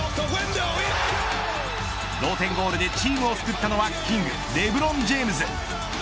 同点ゴールでチームを救ったのはキングレブロン・ジェームズ。